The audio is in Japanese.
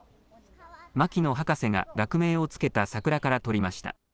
牧野博士が学名を付けた桜から取りました。